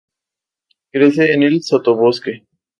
Crece en el sotobosque.